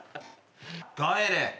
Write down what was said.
帰れ。